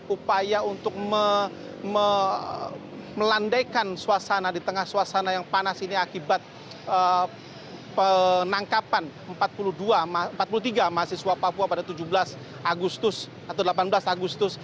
upaya untuk melandaikan suasana di tengah suasana yang panas ini akibat penangkapan empat puluh tiga mahasiswa papua pada tujuh belas agustus atau delapan belas agustus